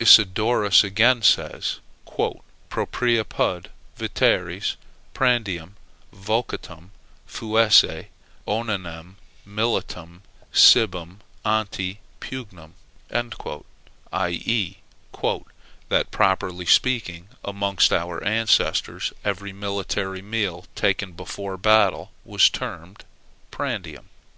Isidorus again says, "Proprie apud veteres prandium vocatum fuisse oinnem militum cibum ante pugnam;" i.e. "that, properly speaking, amongst our ancestors every military meal taken before battle was termed prandium."